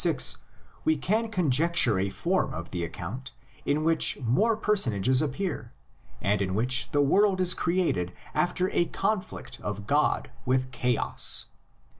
10 12 and 25 26, we can conjecture a form of the account in which more per sonages appear and in which the world is created after a conflict of God with Chaos.